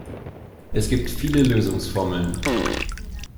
Es gibt viele Lösungsformeln.